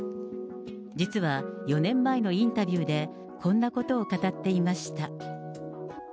実は、４年前のインタビューで、こんなことを語っていました。